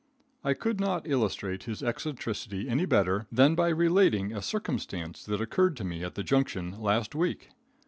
I could not illustrate his eccentricity any better than by relating a circumstance that occurred to me at the Junction last week.